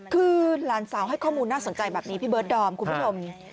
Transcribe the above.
คือหลานสาวให้ข้อมูลน่าสนใจแบบนี้พี่เบิร์ดดอมคุณผู้ชม